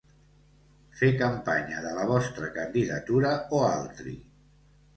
Fer campanya de la vostra candidatura o altri.